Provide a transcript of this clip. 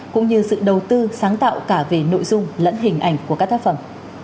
cũng như sự đầu tư sáng tạo cả về nội dung lẫn hình ảnh của các tác phẩm